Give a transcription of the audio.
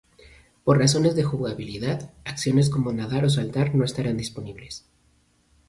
Por razones de jugabilidad, acciones como nadar o saltar no estarán disponibles.